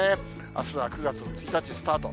あすは９月の１日スタート。